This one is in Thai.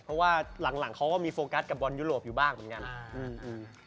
เพราะว่าหลังหลังเขาก็มีโฟกัสกับบอลยุโรปอยู่บ้างเหมือนกัน